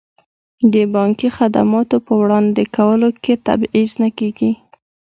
د بانکي خدماتو په وړاندې کولو کې تبعیض نه کیږي.